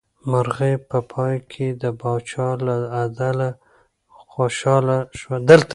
مرغۍ په پای کې د پاچا له عدله خوشحاله شوه.